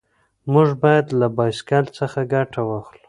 موږ باید له بایسکل څخه ګټه واخلو.